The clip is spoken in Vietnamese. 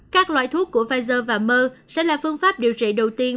các loại thuốc của pfizer và mer sẽ là phương pháp điều trị đầu tiên